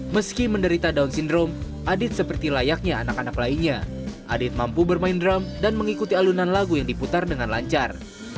meski menderita down syndrome adit seperti layaknya anak anak lainnya adit mampu bermain drum dan mengikuti alunan lagu yang diputar dengan lancar